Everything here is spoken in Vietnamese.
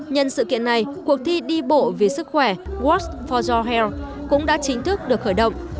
nhân sự kiện này cuộc thi đi bộ vì sức khỏe work for your health cũng đã chính thức được khởi động